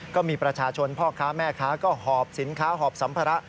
ก็มีประชาชนพ่อค้าแม่ค้าก็หอบสินค้าหอบสัมภาระ